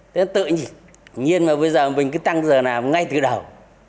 tự nhiên mà bây giờ mình cứ tăng giờ làm ngay từ đầu